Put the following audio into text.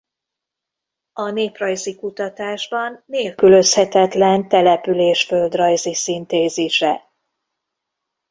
A néprajzi kutatásban nélkülözhetetlen település-földrajzi szintézise.